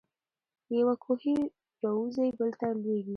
له یوه کوهي را وزي بل ته لوېږي.